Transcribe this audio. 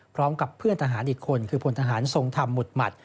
พร้อมกับเพื่อนทหารอีกคนคือพลทหารทรงธรรมหมุดหมัด